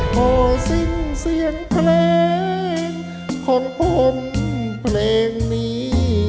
โทษสิ้นเสียงเพลงขนพลเพลงนี้